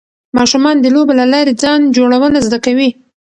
ماشومان د لوبو له لارې ځان جوړونه زده کوي.